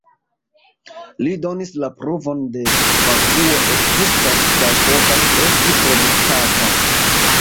Li donis la pruvon ke vakuo ekzistas kaj povas esti produktata.